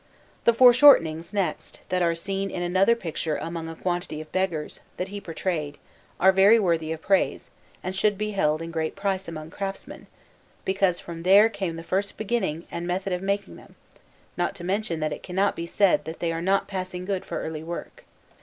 The foreshortenings, next, that are seen in another picture among a quantity of beggars that he portrayed, are very worthy of praise and should be held in great price among craftsmen, because from them there came the first beginning and method of making them, not to mention that it cannot be said that they are not passing good for early work.